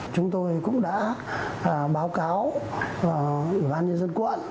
chúng tôi cũng đã báo cáo ủy ban nhân dân quận